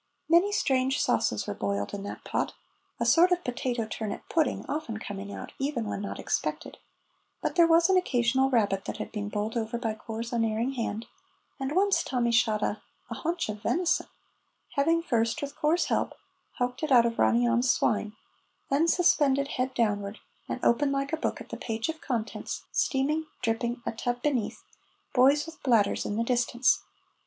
Many strange sauces were boiled in that pot, a sort of potato turnip pudding often coming out even when not expected, but there was an occasional rabbit that had been bowled over by Corp's unerring hand, and once Tommy shot a a haunch of venison, having first, with Corp's help, howked it out of Ronny On's swine, then suspended head downward, and open like a book at the page of contents, steaming, dripping, a tub beneath, boys with bladders in the distance.